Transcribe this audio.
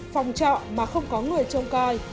phòng trọ mà không có người trông coi